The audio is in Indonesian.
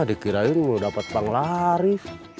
ah dikirain mau dapet pang lari